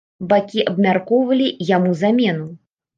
Бакі абмяркоўвалі яму замену.